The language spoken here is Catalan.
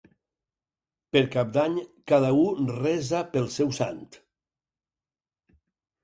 Per Cap d'Any cada u resa pel seu sant.